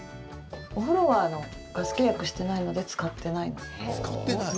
お風呂は、ガス契約してないので使ってない。